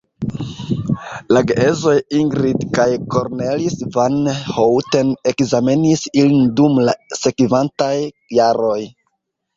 La geedzoj Ingrid kaj Cornelis van Houten ekzamenis ilin dum la sekvantaj jaroj.